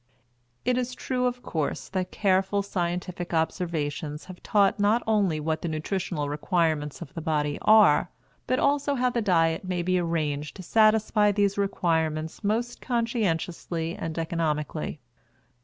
It is true, of course, that careful scientific observations have taught not only what the nutritional requirements of the body are, but also how the diet may be arranged to satisfy these requirements most conscientiously and economically.